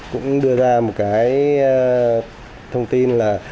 cũng đưa ra một cái thông tin là